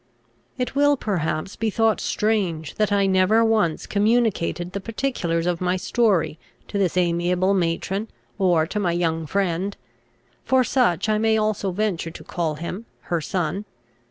It will perhaps be thought strange that I never once communicated the particulars of my story to this amiable matron, or to my young friend, for such I may also venture to call him, her son.